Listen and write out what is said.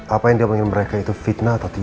apa yang dia panggil mereka itu fitnah atau tidak